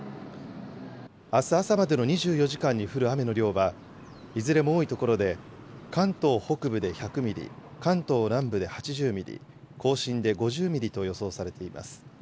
あす朝までの２４時間に降る雨の量は、いずれも多い所で、関東北部で１００ミリ、関東南部で８０ミリ、甲信で５０ミリと予想されています。